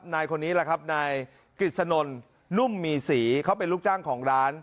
นายคนนี้แหละครับนายกฤษนนุ่มมีศรีเขาเป็นลูกจ้างของร้าน